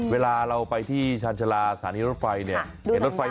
เวลาเราไปที่ชาญชาลาศาลนี้รถไฟ